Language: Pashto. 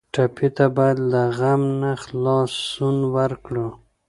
ټپي ته باید له غم نه خلاصون ورکړو.